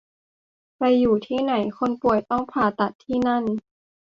ไปอยู่ที่ไหน คนป่วยต้องผ่าตัดที่นั่น